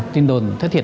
tin đồn thất thiệt